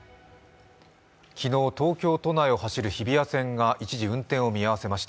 昨日東京都内を走る日比谷線が一時、運転を見合わせました。